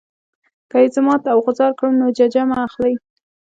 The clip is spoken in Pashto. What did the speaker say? که یې زه مات او غوځار کړم نو ججه مه اخلئ.